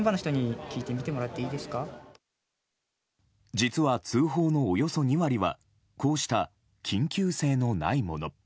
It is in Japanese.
実は、通報のおよそ２割はこうした緊急性のないもの。